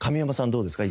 どうですか？